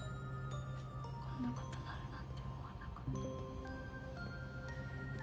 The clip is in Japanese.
こんなことになるなんて思わなかった。